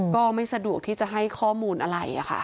ก็ไม่สะดวกที่จะให้ข้อมูลอะไรค่ะ